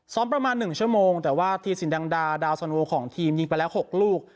ประมาณ๑ชั่วโมงแต่ว่าธีสินดังดาดาวสันโวของทีมยิงไปแล้ว๖ลูก